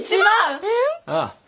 ああ。